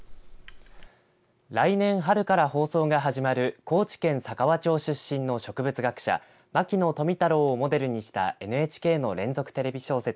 来年春から放送が始まる高知県佐川町出身の植物学者牧野富太郎をモデルにしたＮＨＫの連続テレビ小説